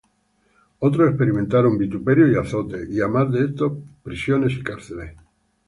Otros experimentaron vituperios y azotes; y á más de esto prisiones y cárceles;